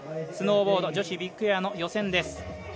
スノーボード女子ビッグエアの予選です。